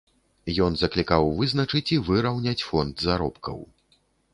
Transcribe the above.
Ён заклікаў вызначыць і выраўняць фонд заробкаў.